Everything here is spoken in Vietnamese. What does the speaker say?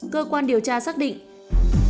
cơ quan điều tra xác định